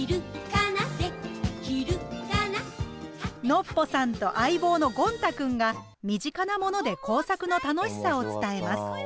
ノッポさんと相棒のゴン太くんが身近なもので工作の楽しさを伝えます。